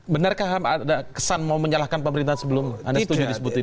benarkah ada kesan mau menyalahkan pemerintahan sebelum anda setuju disebut ini